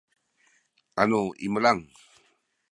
anu imelang